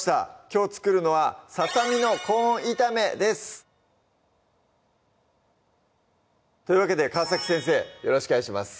きょう作るのは「ささみのコーン炒め」ですというわけで川先生よろしくお願いします